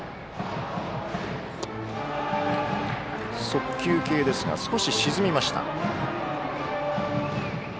速球系ですが、少し沈みました。